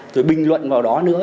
rồi bình luận vào đó nữa